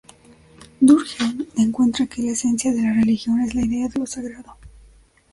Durkheim encuentra que la esencia de la religión es la idea de lo sagrado.